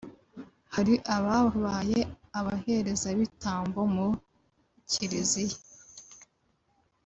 hari ababaye abaherezabitambo mu Kiliziya